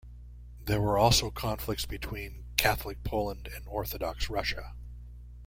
There were also conflicts between Catholic Poland and Orthodox Russia.